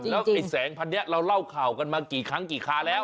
แล้วไอ้แสงพันนี้เราเล่าข่าวกันมากี่ครั้งกี่คาแล้ว